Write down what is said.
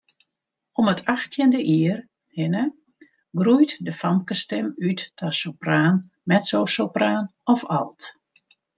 Om it achttjinde jier hinne groeit de famkesstim út ta sopraan, mezzosopraan of alt.